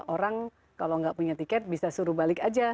orang kalau nggak punya tiket bisa suruh balik aja